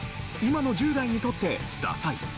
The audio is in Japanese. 今の１０代にとってダサい？